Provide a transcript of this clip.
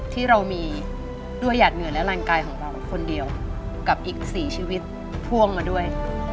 ที่เรามีด้วยหยาดเหงื่อและรังกายของเราคนเดียวกับอีก๔ชีวิตพ่วงมาด้วย